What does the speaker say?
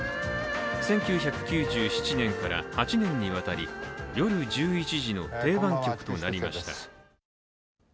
１９９７年から８年にわたり夜１１時の定番曲となりました。